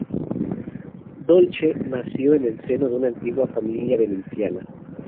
Dolce nació en el seno de una antigua familia veneciana.